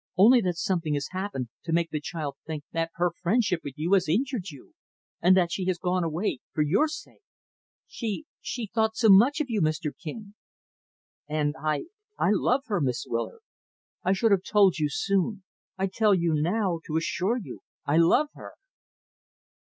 "Only that something has happened to make the child think that her friendship with you has injured you; and that she has gone away for your sake. She she thought so much of you, Mr. King." "And I I love her, Miss Willard. I should have told you soon. I tell you now to reassure you. I love her."